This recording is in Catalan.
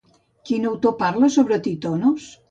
Quin autor parla sobre Titonos?